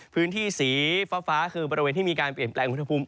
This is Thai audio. พื้นที่สีฟ้าคือบริเวณที่มีการเปลี่ยนแปลงอุณหภูมิ